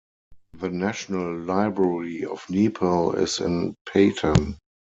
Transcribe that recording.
The National Library of Nepal is in Patan.